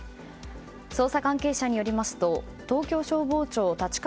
捜査関係者によりますと東京消防庁立川